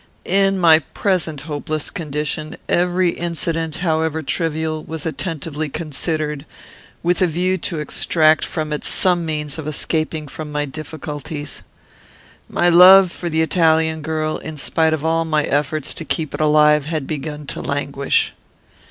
"In my present hopeless condition, every incident, however trivial, was attentively considered, with a view to extract from it some means of escaping from my difficulties. My love for the Italian girl, in spite of all my efforts to keep it alive, had begun to languish.